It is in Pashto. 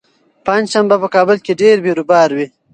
پنجشنبه په کابل کې ډېر بېروبار وي.